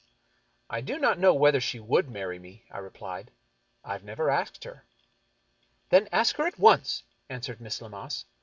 " I do not know whether she would marry me," I replied. " I have never asked her." " Then ask her at once," answered Miss Lammas.